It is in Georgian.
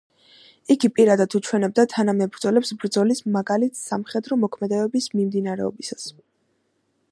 იგი პირადად უჩვენებდა თანამებრძოლებს ბრძოლის მაგალითს სამხედრო მოქმედებების მიმდინარეობისას.